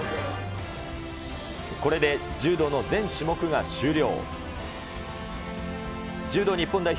これで柔道の全種目が終了。